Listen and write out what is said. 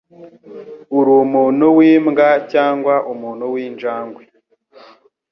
Urumuntu wimbwa cyangwa umuntu winjangwe?